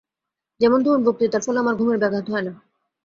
যেমন ধরুন, বক্তৃতার ফলে আমার ঘুমের ব্যাঘাত হয় না।